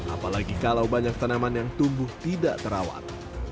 apalagi kalau banyak tanaman yang tumbuh tidak terawat